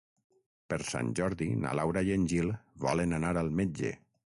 Per Sant Jordi na Laura i en Gil volen anar al metge.